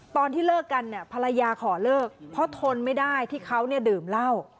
ตอนที่เลิกกันเนี่ยภรรยาขอเลิกเพราะทนไม่ได้ที่เขาดื่มเหล้า